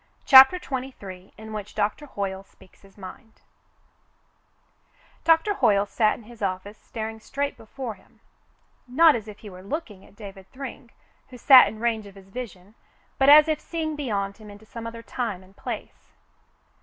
CHAPTER XXIII IN WHICH DOCTOR HOYLE SPEAKS HIS MIND Doctor Hoyle sat in his office staring straight before him, not as if he were looking at David Thryng, who sat in range of his vision, but as if seeing beyond him into some other time and place.